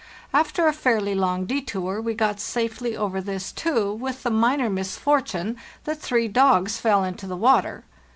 After a fairly long detour we got safely over this too, with the minor misfortune that three dogs fell into the water.